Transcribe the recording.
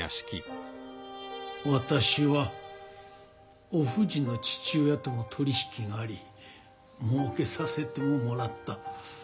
私はお藤の父親とも取り引きがありもうけさせてももらった。